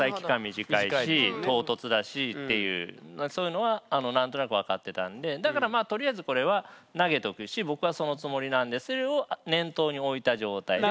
短いし唐突だしっていうそういうのは何となく分かってたんでだからまあとりあえずこれは投げとくし僕はそのつもりなんでそれを念頭に置いた状態で。